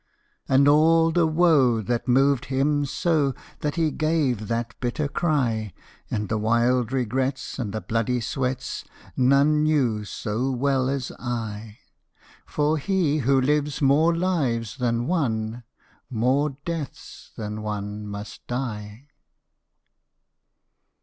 And all the woe that moved him so That he gave that bitter cry, And the wild regrets, and the bloody sweats, None knew so well as I: For he who lives more lives than one More deaths than one must die.